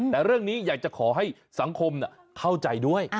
แต่เรื่องนี้อยากจะขอให้สังคมเข้าใจด้วย